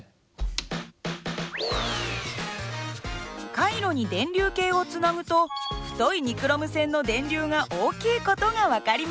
回路に電流計をつなぐと太いニクロム線の電流が大きい事が分かりました。